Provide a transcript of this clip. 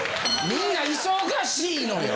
みんな忙しいのよ。